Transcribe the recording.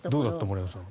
森山さん。